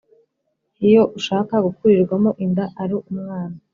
Iyo ushaka gukurirwamo inda ari umwana